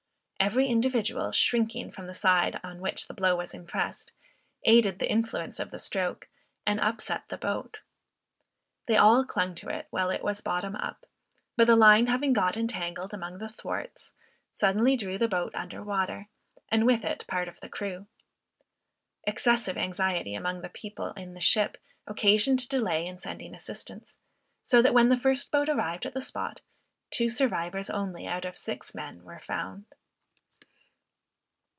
Every individual shrinking from the side on which the blow was impressed, aided the influence of the stroke, and upset the boat. They all clung to it while it was bottom up; but the line having got entangled among the thwarts, suddenly drew the boat under water, and with it part of the crew. Excessive anxiety among the people in the ship, occasioned delay in sending assistance, so that when the first boat arrived at the spot, two survivors only out of six men were found.